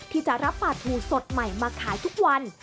ที่จะรับปลาทูสดใหม่มาขายทุกวัน